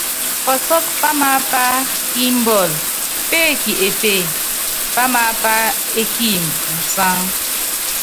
Pɔsɔ́k pámaapá kí imbɔ́l péeki epé pám aápá é kiimb musáŋ.